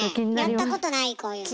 やったことないこういうの。